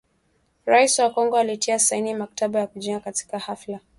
Rais wa Kongo alitia saini mkataba wa kujiunga katika hafla